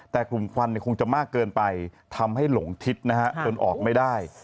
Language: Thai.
แต่กลุ่มควันคงจะมากเกินไปทำให้หลงทิศนะฮะจนออกไม่ได้